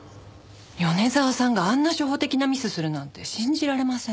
米沢さんがあんな初歩的なミスするなんて信じられません。